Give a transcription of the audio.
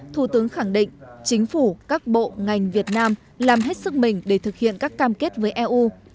thủ tướng khẳng định chính phủ các bộ ngành việt nam làm hết sức mình để thực hiện các cam kết với eu